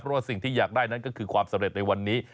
เพราะว่าสิ่งที่อยากได้นั้นก็คือความสำเร็จในวันนี้